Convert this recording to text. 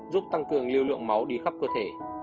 giúp tăng cường lưu lượng máu đi khắp cơ thể